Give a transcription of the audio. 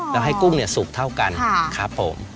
แล้วให้กุ้งสุกเท่ากันครับผม